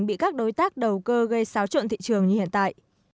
bị các đối tác đầu cơ gây xáo trộn thị trường như hiện tại